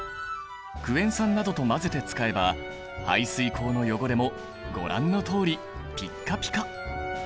クエン酸などと混ぜて使えば排水口の汚れもご覧のとおりピッカピカ！